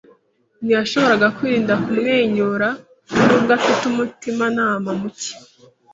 Ntiyashoboraga kwirinda kumwenyura, nubwo afite umutimanama mucye.